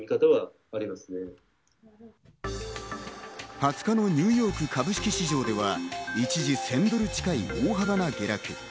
２０日のニューヨーク株式市場では、一時１０００ドル近い大幅な下落。